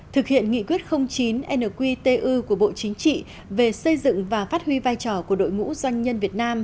thực hiện nghị quyết chín nqtu của bộ chính trị về xây dựng và phát huy vai trò của đội ngũ doanh nhân việt nam